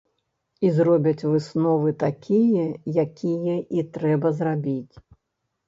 І зробяць высновы такія, якія і трэба зрабіць.